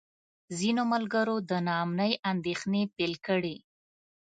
ځینو ملګرو د نا امنۍ اندېښنې پیل کړې.